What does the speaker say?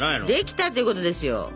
できたってことですよ。